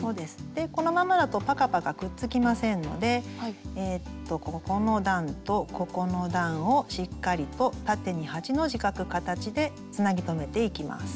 でこのままだとパカパカくっつきませんのでここの段とここの段をしっかりと縦に８の字描く形でつなぎ留めていきます。